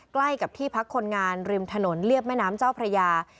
ใกล้กับที่พักคนงานริมถนนเรียบแม่น้ำเจ้าพระยา